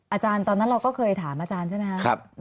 อาจารย์ตอนนั้นเราก็เคยถามอาจารย์ใช่ไหมครับ